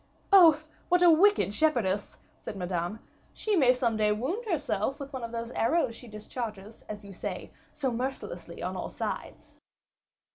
"Oh! what a wicked shepherdess!" said Madame. "She may some day wound herself with one of those arrows she discharges, as you say, so mercilessly on all sides."